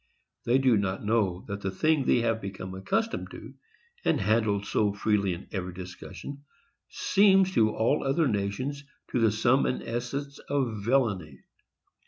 They do not know that the thing they have become accustomed to, and handled so freely in every discussion, seems to all other nations the sum and essence of villany.